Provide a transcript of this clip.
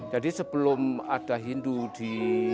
jadi sebelum ada hindu di